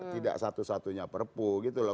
tidak satu satunya perpu gitu loh